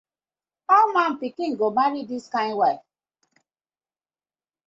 How man pikin go marry dis kind wife.